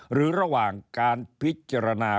หรือระหว่างการพิจารณา